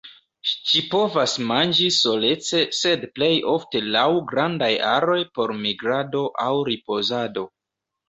Ĝi povas manĝi solece sed plej ofte laŭ grandaj aroj por migrado aŭ ripozado.